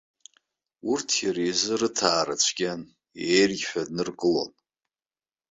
Урҭ иара изы рыҭаара цәгьан, еергьҳәа дныркылон.